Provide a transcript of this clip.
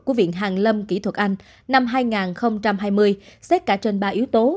của viện hàn lâm kỹ thuật anh năm hai nghìn hai mươi xét cả trên ba yếu tố